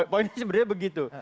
poinnya sebenarnya begitu